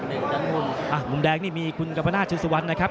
อ่ามุมแดงนี่มีคุณกัมพนาทชูซวันนะครับ